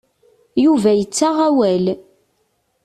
Yuba yettaɣ awal.